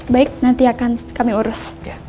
baik nanti akan kami urus